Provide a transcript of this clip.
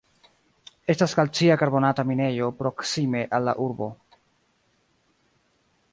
Estas kalcia karbonata minejo proksime al la urbo.